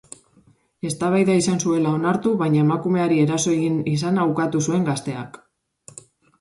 Eztabaida izan zuela onartu, baina emakumeari eraso egin izana ukatu zuen gazteak.